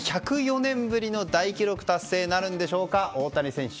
１０４年ぶりの大記録達成なるんでしょうか大谷選手。